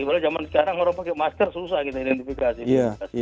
apalagi zaman sekarang orang pakai masker susah kita identifikasi